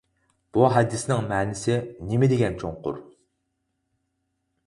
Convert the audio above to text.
بۇ ھەدىسنىڭ مەنىسى نېمە دېگەن چوڭقۇر!